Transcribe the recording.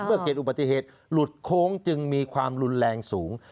เกิดอุบัติเหตุหลุดโค้งจึงมีความรุนแรงสูง